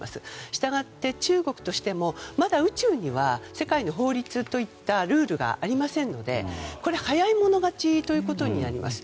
したがって中国としてもまだ宇宙には世界の法律といったルールがありませんのでこれ、早い者勝ちということになります。